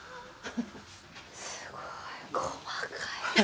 すごい細かい。